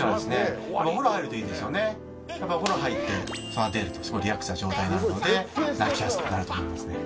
やっぱお風呂入って座っているとすごいリラックスした状態になるので泣きやすくなると思いますね。